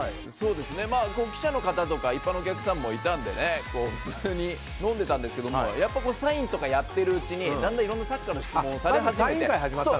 記者の方とか一般のお客さんもいたので普通に飲んでたんですけどサインとかやってるうちにだんだん、いろんなサッカーの質問をされ始めて。